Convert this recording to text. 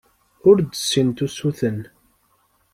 Ur d-ssint usuten.